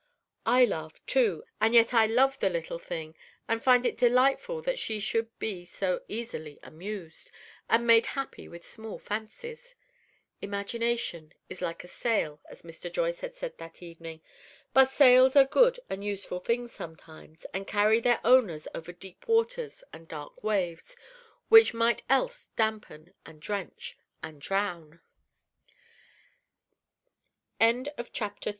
I laugh, too, and yet I love the little thing, and find it delightful that she should be so easily amused and made happy with small fancies. Imagination is like a sail, as Mr. Joyce had said that evening; but sails are good and useful things sometimes, and carry their owners over deep waters and dark waves, which else might dampen, and drench, and drown. [Illustration: EYEBRIGHT MAKING HERSELF FINE.] CHAPTER IV. A DAY WITH THE SHAKERS.